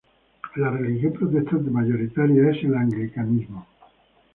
La religión protestante mayoritaria es el anglicanismo.